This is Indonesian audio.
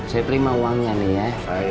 saya terima uangnya nih ya